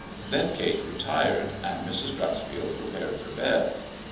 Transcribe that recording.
Then Kate retired, and Mrs. Dreuxfield prepared for bed.